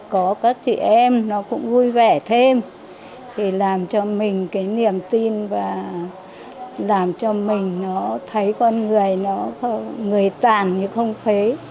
có các chị em nó cũng vui vẻ thêm làm cho mình niềm tin và làm cho mình thấy con người tàn như không phế